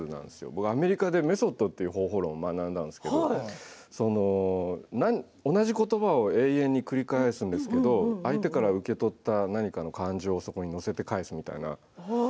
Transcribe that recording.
僕アメリカでメソッドという方法論を学んだんですが同じ言葉を永遠に繰り返すんですけど相手から受け取った何かの感情をそこに乗せて返すという。